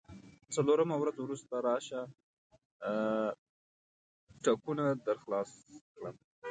څلورمه ورځ وروسته راشه، ټکونه درخلاص کړم.